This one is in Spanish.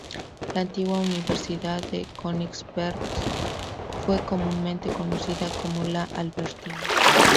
La antigua Universidad de Königsberg fue comúnmente conocida como la "Albertina".